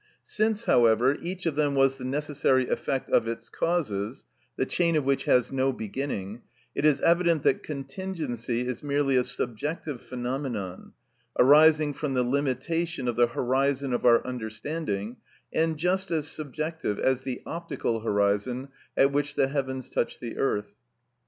Since, however, each of them was the necessary effect of its causes, the chain of which has no beginning, it is evident that contingency is merely a subjective phenomenon, arising from the limitation of the horizon of our understanding, and just as subjective as the optical horizon at which the heavens touch the earth.